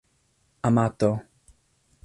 amato